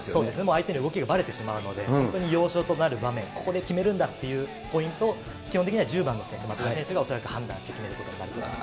相手に動きがばれてしまうので、本当に要所となる場面、ここで決めるんだっていうポイントを、基本的には１０番の選手、松田選手が恐らく判断することになるかと思います。